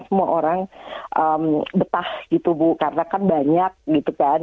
semua orang betah gitu bu karena kan banyak gitu kan